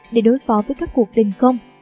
để đối phó với các cuộc đình công